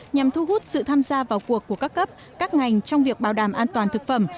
nhằm thu hút sự tham gia vào cuộc của các cấp các ngành trong việc bảo đảm an toàn thực phẩm